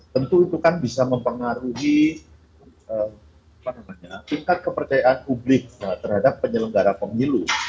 tentu itu kan bisa mempengaruhi tingkat kepercayaan publik terhadap penyelenggara pemilu